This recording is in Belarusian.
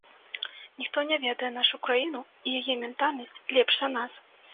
Ніхто не ведае нашу краіну і яе ментальнасць лепш за нас!